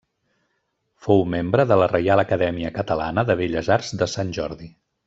Fou membre de la Reial Acadèmia Catalana de Belles Arts de Sant Jordi.